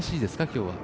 今日は。